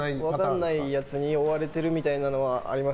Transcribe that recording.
分からないやつに追われているみたいなのはあります。